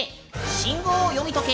信号を読みとけ！